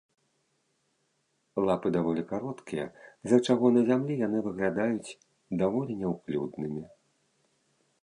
Лапы даволі кароткія, з-за чаго на зямлі яны выглядаюць даволі няўклюднымі.